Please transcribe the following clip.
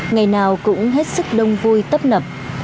ngày nào cũng hết sức đông vui tấp nập